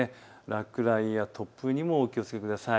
落雷や突風にもお気をつけください。